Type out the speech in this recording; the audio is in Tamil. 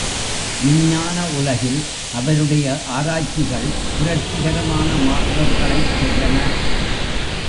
விஞ்ஞான உலகில் அவருடைய ஆராய்ச்சிகள் புரட்சிகரமான மாறுதல்களைச் செய்தன.